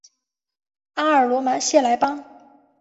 阿尔罗芒谢莱班。